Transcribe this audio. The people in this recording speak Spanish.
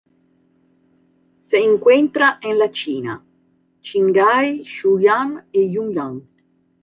Se encuentra en la China: Qinghai, Sichuan y Yunnan.